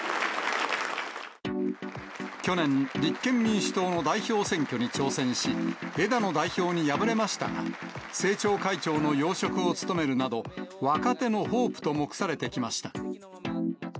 去年、立憲民主党の代表選挙に挑戦し、枝野代表に敗れましたが、政調会長の要職を務めるなど、若手のホープと目されてきました。